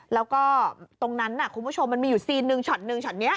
แล้วก็ตรงนั้นคุณผู้ชมมันมีอยู่ซีนหนึ่งช็อตนึงช็อตนี้